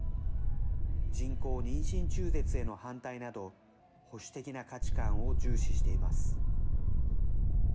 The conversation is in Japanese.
人工妊娠中絶への反対など保守的な価値観を重視しています。